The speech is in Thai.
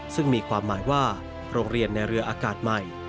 ซึ่งมีความหมายว่าโรงเรียนในเรืออากาศใหม่